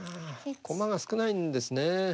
駒が少ないんですね。